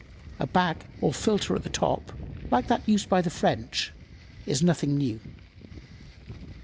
A bag or filter at the top, like that used by the French, is nothing new.